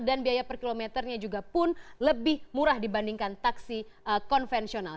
dan biaya per kilometernya juga pun lebih murah dibandingkan taksi konvensional